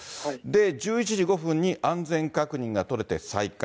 １１時５分に安全確認が取れて再開。